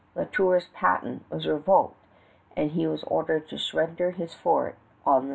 La Tour's patent was revoked and he was ordered to surrender his fort on the St. John.